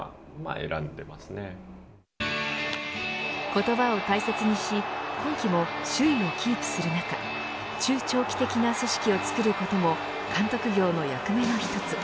言葉を大切にし今季も首位をキープする中中長期的な組織を作ることも監督業の役目の一つ。